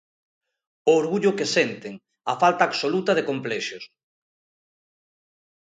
O orgullo que senten, a falta absoluta de complexos.